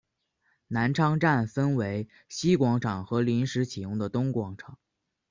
南昌站分为西广场和临时启用的东广场。